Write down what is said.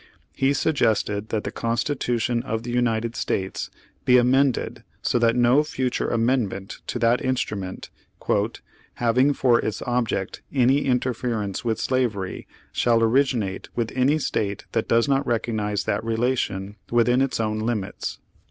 He suggested that the Constitution of the United States be amended so that no future amendment to that instrument "having for its object any interference with slavery, shall originate with any State that does not recognize that relation within its own limits.